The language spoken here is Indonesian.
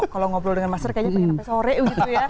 kalau ngobrol dengan master kayaknya pengen sampai sore begitu ya